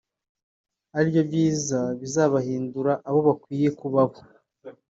aribyo byiza bizabahindura abo bakwiye kuba bo